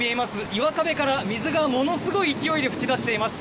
岩壁から水がものすごい勢いで噴き出しています。